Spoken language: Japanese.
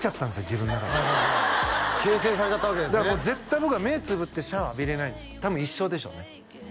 自分の中で形成されちゃったわけですね絶対僕は目つぶってシャワー浴びられないんです多分一生でしょうね